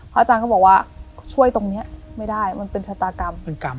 อาจารย์ก็บอกว่าช่วยตรงนี้ไม่ได้มันเป็นชะตากรรม